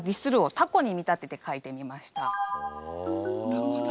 タコだ。